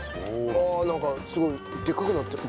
ああなんかすごいでっかくなってる。